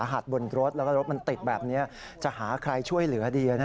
มันเป็นจังหวะบีบหัวใจมากเลยนะ